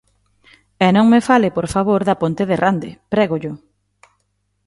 E non me fale, por favor, da ponte de Rande, ¡prégollo!